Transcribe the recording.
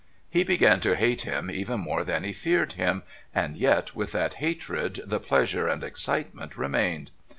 He began to hate him even more than he feared him, and yet with that hatred the pleasure and excitement remained.